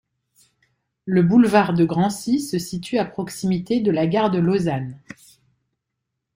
Le boulevard de Grancy se situe à proximité de la gare de Lausanne.